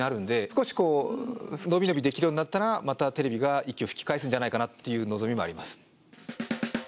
少しこう伸び伸びできるようになったらまたテレビが息を吹き返すんじゃないかなという望みもあります。